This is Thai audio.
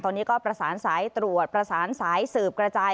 ตอนนี้ก็ประสานสายตรวจประสานสายสืบกระจาย